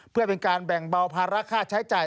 เพื่อเป็นการแบ่งเบาภาระค่าใช้จ่าย